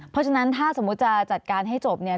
เพราะฉะนั้นถ้าสมมุติจะจัดการให้จบเนี่ย